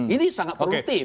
ini sangat produktif